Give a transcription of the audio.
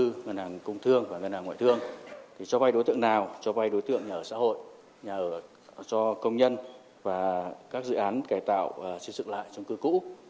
thứ hai là ai là người cho vay thì trước hết là bốn ngân hàng ngoại thương cho vay đối tượng nào cho vay đối tượng nhà ở xã hội nhà ở cho công nhân và các dự án cải tạo xây dựng lại trong cư cũ